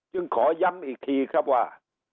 ขอย้ำอีกทีครับว่า